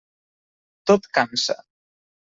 Tot cansa.